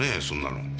そんなの。